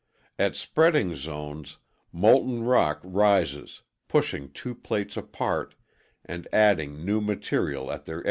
At spreading zones, molten rock rises, pushing two plates apart and adding new material at their edges.